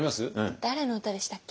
誰の歌でしたっけ？